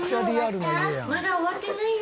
まだ終わってないよ。